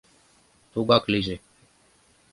— Тугак лийже...